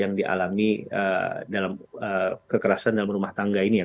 yang dialami dalam kekerasan dalam rumah tangga ini ya